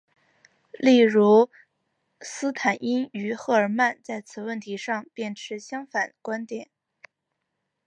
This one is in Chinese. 例如斯坦因与赫尔曼在此问题上便持相反观点。